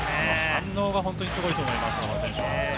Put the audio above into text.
反応が本当にすごいと思います。